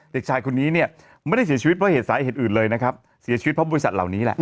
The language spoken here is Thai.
เด็กชายคนนี้เนี่ยไม่ได้เสียชีวิตเพราะเหตุสาเหตุอื่นเลยนะครับเสียชีวิตเพราะบริษัทเหล่านี้แหละ